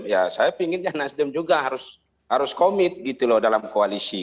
ya saya pinginnya nasdem juga harus komit gitu loh dalam koalisi